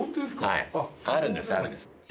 はいあるんですあるんです。